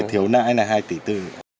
để thiếu nãi là hai tỷ tư